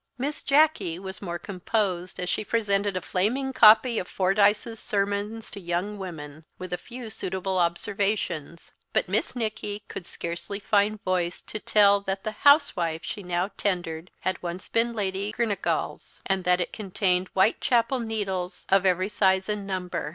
Miss Jacky was more composed as she presented a flaming copy of Fordyce's Sermons to Young Women, with a few suitable observations; but Miss Nicky could scarcely find voice to tell that the housewife she now tendered had once been Lady Girnchgowl's, and that it contained Whitechapel needles of every size and number.